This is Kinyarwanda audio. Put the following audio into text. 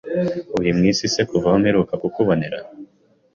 Uri mwisi se kuva aho mperuka kukubonera.